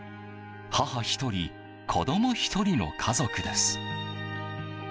母１人、子供１人の家族です。